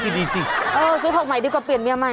พิษของใหม่ดีกว่าเปลี่ยนเมียใหม่